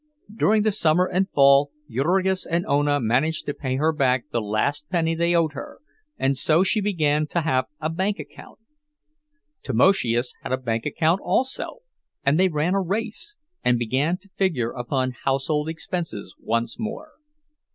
During the summer and fall Jurgis and Ona managed to pay her back the last penny they owed her, and so she began to have a bank account. Tamoszius had a bank account also, and they ran a race, and began to figure upon household expenses once more.